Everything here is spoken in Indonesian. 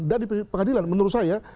dan di pengadilan menurut saya